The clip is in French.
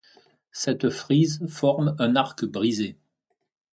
Cette frise forme un arc brisé.